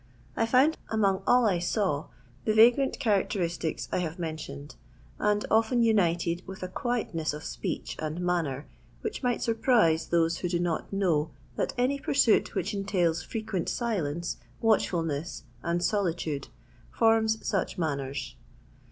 I found among all I saw the vagrant characteristics I have mentioned, and often united with a quietness of speech and manner which might surprise those who do not know that any pursuit which entails frequent si lence, watchfulness, and solitude, forms such man ners.